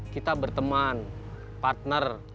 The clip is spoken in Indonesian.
kita berteman partner